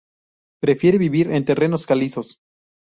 Prefiere vivir en terrenos calizos.